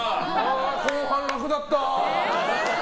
後半、楽だった。